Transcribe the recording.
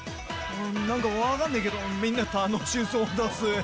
何か分かんねえけどみんな楽しそうだぜ。